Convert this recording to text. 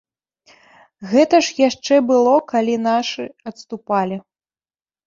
Гэта ж яшчэ было, калі нашы адступалі.